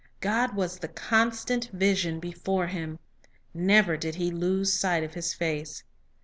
God was the constant vision before him. Never did he lose sight of His face.